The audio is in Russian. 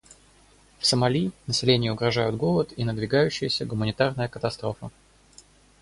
В Сомали населению угрожают голод и надвигающаяся гуманитарная катастрофа.